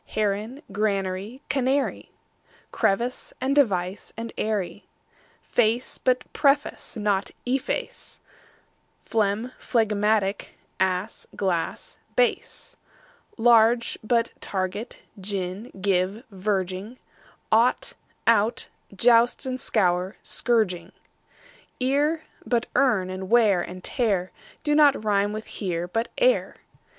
Heron; granary, canary; Crevice, and device, and eyrie; Face but preface, but efface, Phlegm, phlegmatic; ass, glass, bass; Large, but target, gin, give, verging; Ought, out, joust and scour, but scourging; Ear, but earn; and wear and tear Do not rime with "here", but "ere".